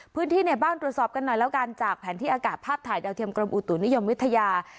พื้นที่เนี่ยบ้านตรวจสอบกันหน่อยแล้วกันจากแผนที่อากาศทายดังเทียมกลมอุตุณุยมวิทยา